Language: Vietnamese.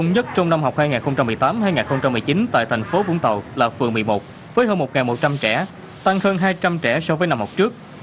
nhất trong năm học hai nghìn một mươi tám hai nghìn một mươi chín tại thành phố vũng tàu là phường một mươi một với hơn một một trăm linh trẻ tăng hơn hai trăm linh trẻ so với năm học trước